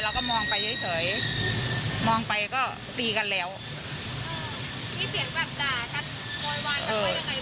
เราก็มองไปเฉยมองไปก็ตีกันแล้วที่เสียงแบบสระครั้งโรยวาน